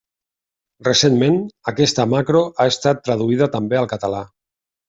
Recentment, aquesta macro ha estat traduïda també al català.